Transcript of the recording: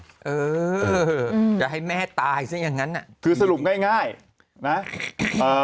เออจะให้แม่ตายซะอย่างงั้นอ่ะคือสรุปง่ายง่ายนะเอ่อ